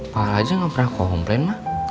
pak raja nggak pernah komplain ma